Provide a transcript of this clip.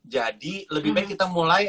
jadi lebih baik kita mulai